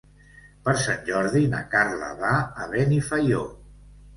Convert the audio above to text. Per Sant Jordi na Carla va a Benifaió.